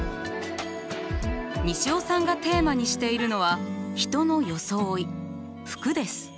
西尾さんがテーマにしているのは人の装い服です。